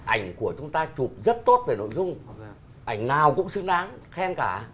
ảnh của chúng ta chụp rất tốt về nội dung ảnh nào cũng xứng đáng khen cả